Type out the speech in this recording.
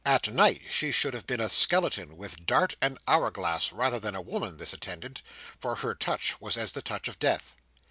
At night, she should have been a skeleton, with dart and hour glass, rather than a woman, this attendant; for her touch was as the touch of Death.